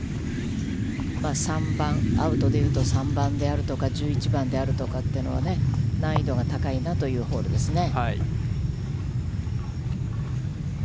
３番、アウトで言うと、３番であるとか、１１番であるかかというのは、難易度が高いなというホールですね。